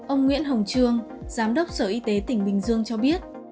ông nguyễn hồng trương giám đốc sở y tế tỉnh bình dương cho biết